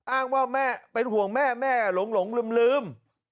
อ้างว่าแม่เป็นห่วงแม่แม่หลงลืม